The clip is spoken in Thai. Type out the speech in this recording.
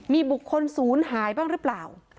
มีบุคคลศูนย์หายบ้างหรือเปล่า